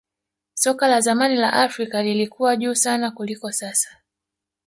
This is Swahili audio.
soka la zamani la afrika lilikuwa juu sana kuliko sasa